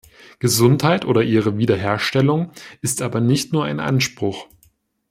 Gesundheit oder ihre Wiederherstellung ist aber nicht nur ein Anspruch.